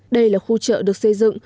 đây là khu chợ được xây dựng